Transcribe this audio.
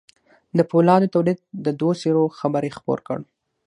د پولادو د توليد د دوو څېرو خبر يې خپور کړ.